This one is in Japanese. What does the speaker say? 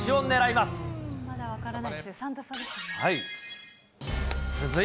まだ分からない。